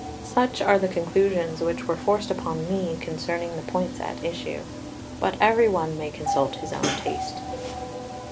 Such are the conclusions which were forced upon me concerning the points at issue; but every one may consult his own taste.